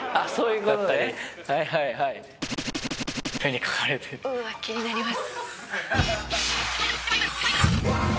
「うわっ気になります」